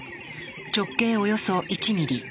直径およそ１ミリ。